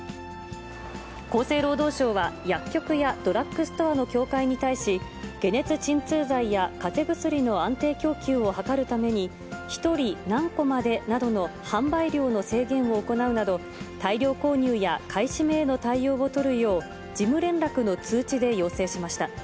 厚生労働省は、薬局やドラッグストアの協会に対し、解熱鎮痛剤やかぜ薬の安定供給を図るために、１人何個までなどの販売量の制限を行うなど、大量購入や買い占めへの対応を取るよう、事務連絡の通知で要請しました。